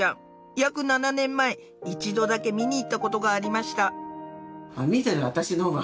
約７年前一度だけ見に行った事がありました